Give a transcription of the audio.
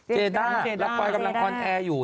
เจด้ารับปรากฏกำลังคอนแอร์อยู่